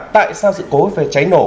tại sao sự cố về cháy nổ